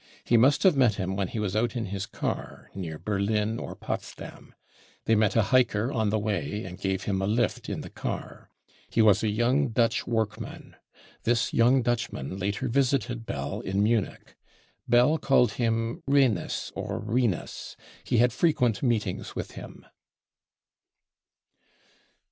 He must have met him when he was out in his car I i 56 BROWN BOOK OF THE HITLE*R TERROR t near Berlin or Potsdam. They met'a hiker on the way, and gave him a lift in the car. He was a young Dutch * workman. This young Dutchman later visited Bell in Munich. Bell called him Renus or Rinus. He* had frequent meetings with him.